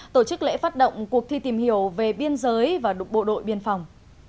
tổ chức lễ phát động cuộc thi tìm hiểu về biên giới và bộ đội biên phòng